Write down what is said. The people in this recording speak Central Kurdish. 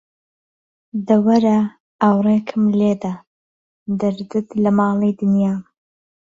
دە وەرە ئاوڕێکم لێدە، دەردت لە ماڵی دنیام